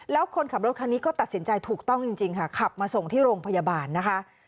แล้วคนขับรถคันนี้ก็ตัดสินใจถูกต้องจริงค่ะขับมาส่งที่โรงพยาบาลนะคะ